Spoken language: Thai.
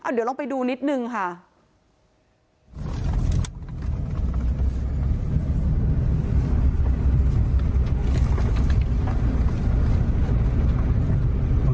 เดี๋ยวลองไปดูนิดนึงค่ะ